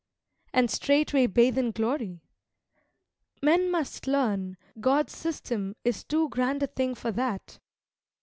And straightway bathe in glory. Men must learn God's system is too grand a thing for that.